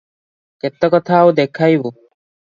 କେତେକଥା ଆଉ ଦେଖାଇବୁ?